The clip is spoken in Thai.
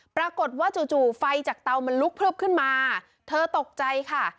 ปรากฏว่าจู่ไฟจากเตามันลุกพลึบขึ้นมาเธอตกใจค่ะ